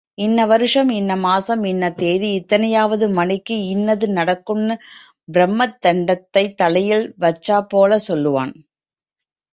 இன்ன வருஷம், இன்னமாசம், இன்ன தேதி இத்தனையாவது மணிக்கு இன்னது நடக்கும்னு பிரம்மதண்டத்தை தலையில வச்சாப்போலச் சொல்லுவான்.